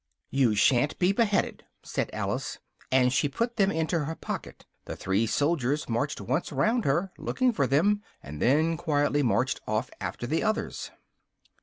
"You sha'n't be beheaded!" said Alice, and she put them into her pocket: the three soldiers marched once round her, looking for them, and then quietly marched off after the others.